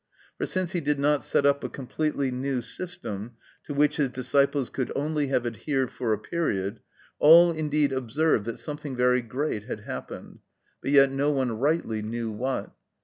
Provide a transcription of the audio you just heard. For since he did not set up a completely new system, to which his disciples could only have adhered for a period, all indeed observed that something very great had happened, but yet no one rightly knew what.